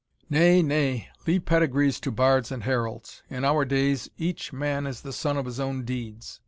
"Nay nay leave pedigrees to bards and heralds. In our days, each, man is the son of his own deeds.